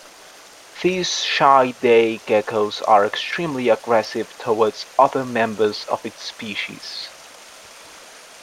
These shy day geckos are extremely aggressive toward other members of its species.